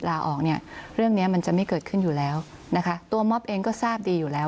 ลาออกเนี่ยเรื่องเนี้ยมันจะไม่เกิดขึ้นอยู่แล้วนะคะตัวมอบเองก็ทราบดีอยู่แล้ว